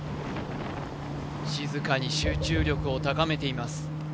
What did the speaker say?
静かに集中力を高めています